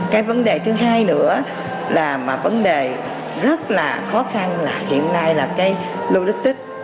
cái vấn đề thứ hai nữa là mà vấn đề rất là khó khăn là hiện nay là cái lưu đích tích